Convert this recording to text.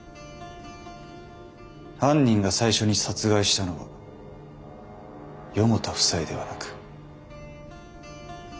犯人が最初に殺害したのは四方田夫妻ではなく。